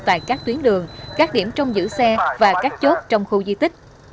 tại các tuyến đường các điểm trong giữ xe và các chốt trong khu di tích